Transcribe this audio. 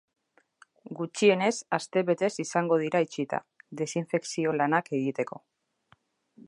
Gutxienez astebetez izango dira itxita, desinfekzio-lanak egiteko.